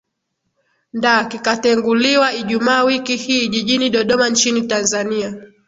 nda kikatenguliwa ijumaa wiki hii jijini dodoma nchini tanzania